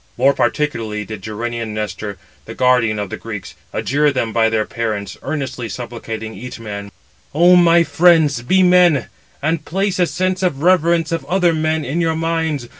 More particularly did Gerenian Nestor, the guardian of the Greeks, adjure them by their parents, earnestly supplicating each man: "O my friends, be men, and place a sense of reverence 502 of other men in your minds.